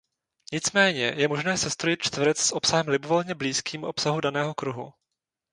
Nicméně je možné sestrojit čtverec s obsahem libovolně blízkým obsahu daného kruhu.